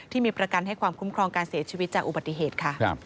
ที่มีประกันให้ความคุ้มครองการเสียชีวิตจากอุบัติเหตุค่ะ